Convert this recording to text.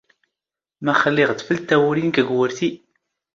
ⵎⴰⵅⵅ ⵍⵍⵉⵖ ⵜⴼⵍⵜ ⵜⴰⵡⵓⵔⵉ ⵏⵏⴽ ⴳ ⵡⵓⵔⵜⵉ?